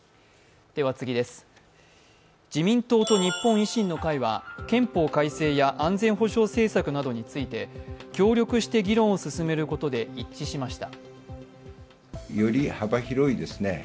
自民党と日本維新の会は憲法改正や安全保障政策などについて協力して議論を進めることで一致しました。